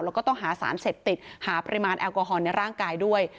แล้วก็ต้องหาสารเสพติดหาปริมาณแอลกอฮอลในร่างกายด้วย